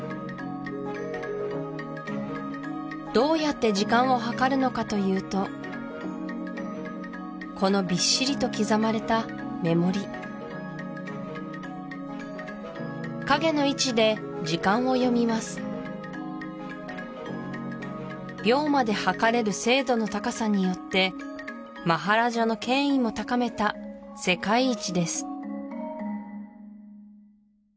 どうやって時間を計るのかというとこのびっしりと刻まれた目盛り影の位置で時間を読みます秒まで計れる精度の高さによってマハラジャの権威も高めた世界一です